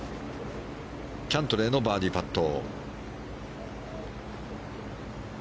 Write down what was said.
キャントレーのバーディーパット。